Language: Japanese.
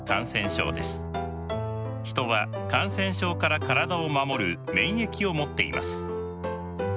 人は感染症から体を守る「免疫」を持っています。